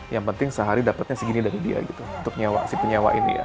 yang penting sehari dapatnya segini dari dia gitu untuk nyawa si penyewa ini ya